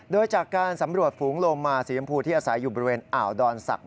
โดยจากการสำรวจฝูงโลมาสีชมพูที่อาศัยอยู่บริเวณอ่าวดอนศักดิ